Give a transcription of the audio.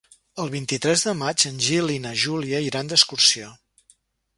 El vint-i-tres de maig en Gil i na Júlia iran d'excursió.